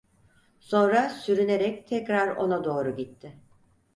Sonra sürünerek tekrar ona doğru gitti.